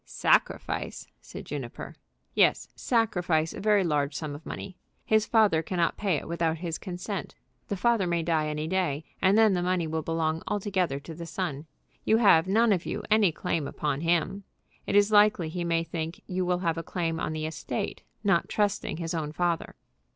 "Sacrifice!" said Juniper. "Yes; sacrifice a very large sum of money. His father cannot pay it without his consent. The father may die any day, and then the money will belong altogether to the son. You have, none of you, any claim upon him. It is likely he may think you will have a claim on the estate, not trusting his own father."